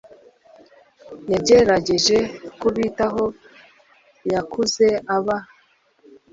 yagerageje kubitaho. yakuze aba a